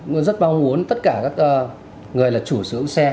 mình rất mong muốn tất cả các người là chủ sửa xe